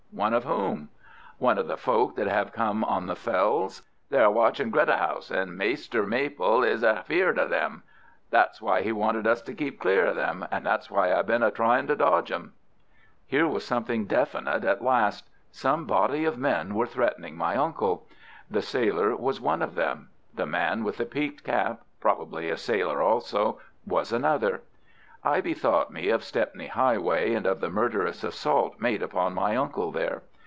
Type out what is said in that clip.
"One of whom?" "One of the folk that have come on the fells. They are watchin' Greta House, and Maister Maple is afeard of them. That's why he wanted us to keep clear of them, and that's why I've been a trying to dodge 'em." Here was something definite at last. Some body of men were threatening my uncle. The sailor was one of them. The man with the peaked cap—probably a sailor also—was another. I bethought me of Stepney Highway and of the murderous assault made upon my uncle there.